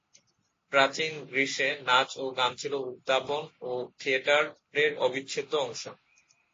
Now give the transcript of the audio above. প্রাচীন গ্রিসে নাচ ও গান ছিল উদ্যাপন ও থিয়েটারের অবিচ্ছেদ্য অংশ।